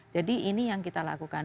jadi ini yang kita lakukan